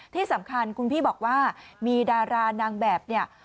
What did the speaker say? ที่สำคัญคุณพี่บอกว่ามีดารานางแบบเนี่ย